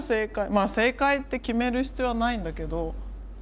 まあ正解って決める必要はないんだけど。